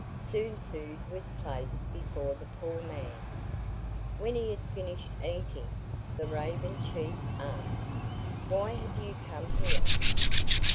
Soon food was placed before the poor man. When he had finished eating, the Raven chief asked, "Why have you come here?"